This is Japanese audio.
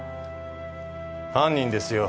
犯人ですよ。